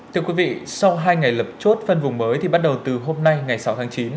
thưa quý vị sau hai ngày lập chốt phân vùng mới thì bắt đầu từ hôm nay ngày sáu tháng chín